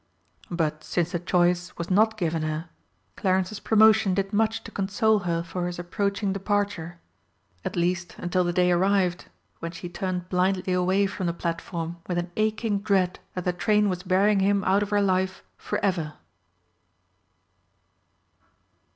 But since the choice was not given her, Clarence's promotion did much to console her for his approaching departure at least until the day arrived, when she turned blindly away from the platform with an aching dread that the train was bearing him out of her life for ever.